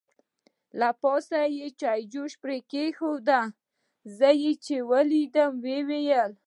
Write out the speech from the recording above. له پاسه یې چای جوش پرې اېښې وه، زه چې یې ولیدم ویې ویل.